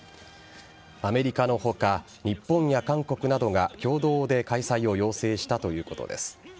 アメリカの他、日本や韓国などが共同で開催を要請したということです。